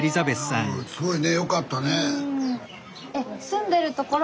すごいねよかったね。